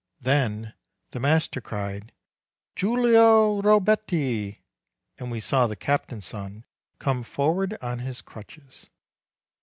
Then the master cried, "Giulio Robetti!" and we saw the captain's son come forward on his crutches.